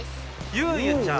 ゆうゆちゃん？